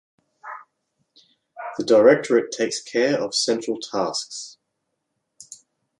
The directorate takes care of central tasks.